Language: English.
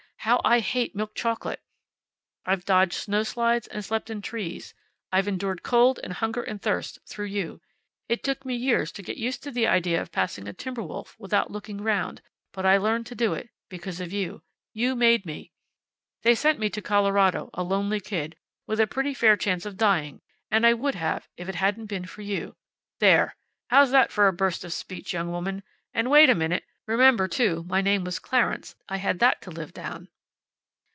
how I hate milk chocolate! I've dodged snowslides, and slept in trees; I've endured cold, and hunger and thirst, through you. It took me years to get used to the idea of passing a timber wolf without looking around, but I learned to do it because of you. You made me. They sent me to Colorado, a lonely kid, with a pretty fair chance of dying, and I would have, if it hadn't been for you. There! How's that for a burst of speech, young woman! And wait a minute. Remember, too, my name was Clarence. I had that to live down."